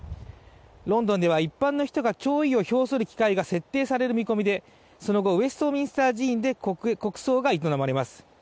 ロンドンでは一般の人が弔意を表する機会が設定される見込みでその後、ウェストミンスター寺院で国葬が営まれます。